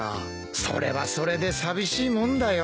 それはそれで寂しいもんだよ。